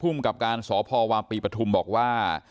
ผู้กรรมกรรมการสภวาปีปัฐุมบอกว่า